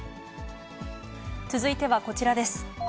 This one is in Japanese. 続いてはこちらです。